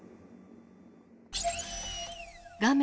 画面